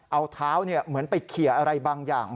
เอาเท้าเหมือนไปเขี่ยอะไรบางอย่าง